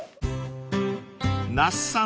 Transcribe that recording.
［那須さん